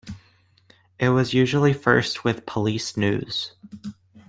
It was usually first with police news.